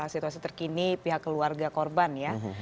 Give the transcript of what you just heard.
situasi terkini pihak keluarga korban ya